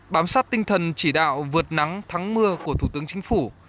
bám sát tinh thần chỉ đạo vượt nắng thắng mưa của thủ tướng chính phủ